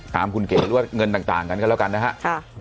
ตามคุณเก๋หรือว่าเงินต่างกันก็แล้วกันนะครับ